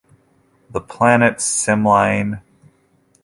The planet Simlane.